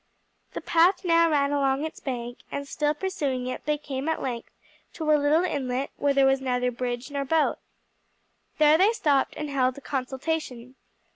The path now ran along its bank, and still pursuing it they came at length to a little inlet where was neither bridge nor boat. There they stopped and held a consultation.